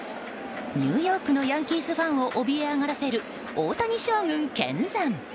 ニューヨークのヤンキースファンをおびえ上がらせる大谷将軍見参。